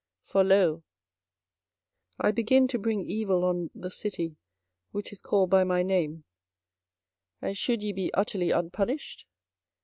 24:025:029 For, lo, I begin to bring evil on the city which is called by my name, and should ye be utterly unpunished?